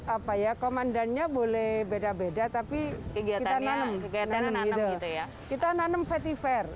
apa ya komandannya boleh beda beda tapi kegiatannya kita nanem vetiver